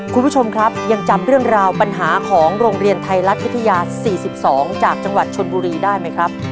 คุณผู้ชมครับยังจำเรื่องราวปัญหาของโรงเรียนไทยรัฐวิทยา๔๒จากจังหวัดชนบุรีได้ไหมครับ